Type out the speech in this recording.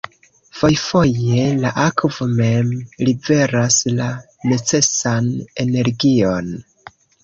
Fojfoje la akvo mem liveras la necesan energion.